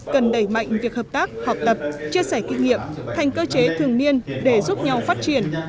cần đẩy mạnh việc hợp tác học tập chia sẻ kinh nghiệm thành cơ chế thường niên để giúp nhau phát triển